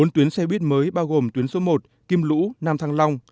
bốn tuyến xe buýt mới bao gồm tuyến số một